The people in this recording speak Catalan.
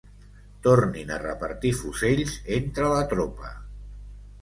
Tornin a repartir fusells entre la tropa.